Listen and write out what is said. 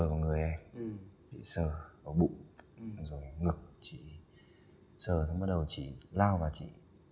rồi người em chị sờ ở bụng rồi ngực chị sờ rồi bắt đầu chị lao vào chị